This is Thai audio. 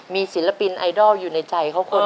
มีศิลปินไอดอลอยู่ในใจเขาก็คง